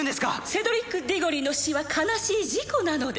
セドリック・ディゴリーの死は悲しい事故なのです